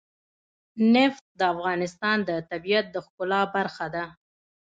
نفت د افغانستان د طبیعت د ښکلا برخه ده.